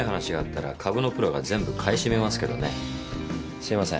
すいません